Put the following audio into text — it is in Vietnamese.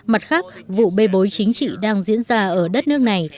mặt khác vụ bê bối chính trị đang diễn ra ở đất nước này